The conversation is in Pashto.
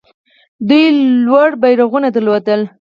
دوی لوړ بیرغونه درلودل